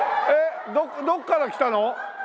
えっどっから来たの？